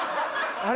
あれ。